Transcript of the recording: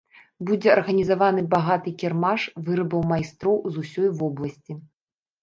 Будзе арганізаваны багаты кірмаш вырабаў майстроў з усёй вобласці.